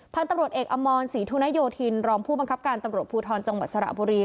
พันธุ์ตำรวจเอกอมรศรีธุนโยธินรองผู้บังคับการตำรวจภูทรจังหวัดสระบุรี